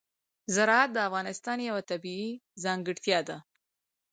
زراعت د افغانستان یوه طبیعي ځانګړتیا ده.